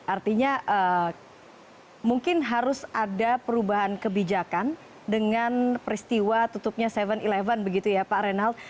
artinya mungkin harus ada perubahan kebijakan dengan peristiwa tutupnya tujuh sebelas begitu ya pak reynald